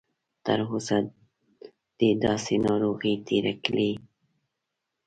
تر اوسه دې داسې ناروغي تېره کړې؟